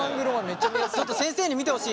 ちょっと先生に見てほしい。